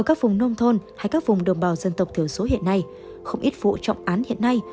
ở các vùng nông thôn hay các vùng đồng bào dân tộc thiểu số hiện nay không ít vụ trọng án hiện nay